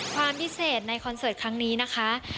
ความพิเศษในคอนเสิร์ตครั้งนี้นะคะ